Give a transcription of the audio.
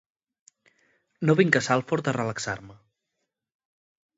No vinc a Salford a relaxar-me.